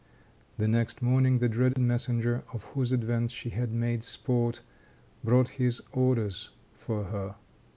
The next morning the dread messenger, of whose advent she had made sport, brought his orders for her.